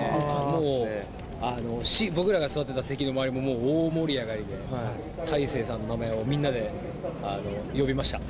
もう、僕らが座ってた席の周り、もう大盛り上がりで、大勢さんの名前をみんなで呼びました。